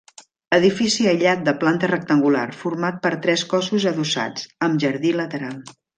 Edifici aïllat de planta rectangular, format per tres cossos adossats, amb jardí lateral.